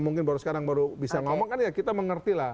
mungkin baru sekarang baru bisa ngomong kan ya kita mengerti lah